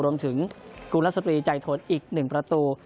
รวมถึงกลุ่มรัศตรีใจโถนอีก๑ประตู